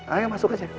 ayo masuk aja